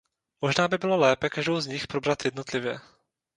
Možná by bylo lépe každou z nich probrat jednotlivě.